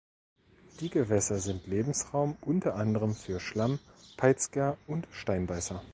Die Gewässer sind Lebensraum unter anderem für Schlammpeitzger und Steinbeißer.